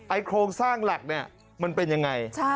ไอ้โครงสร้างหลักมันเป็นอย่างไร